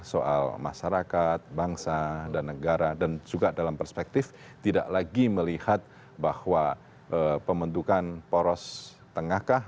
soal masyarakat bangsa dan negara dan juga dalam perspektif tidak lagi melihat bahwa pembentukan poros tengahkah